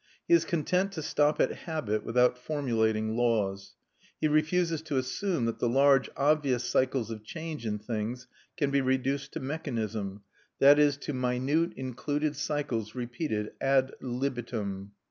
He is content to stop at habit without formulating laws; he refuses to assume that the large obvious cycles of change in things can be reduced to mechanism, that is, to minute included cycles repeated ad libitum.